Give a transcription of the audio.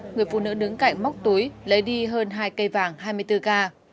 người phụ nữ đứng cạnh móc túi lấy đi hơn hai cây vàng hai mươi bốn k